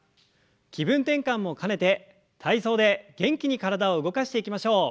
気分転換も兼ねて体操で元気に体を動かしていきましょう。